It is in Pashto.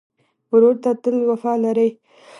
ورور ته تل وفا لرې.